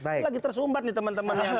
ini lagi tersumbat nih teman teman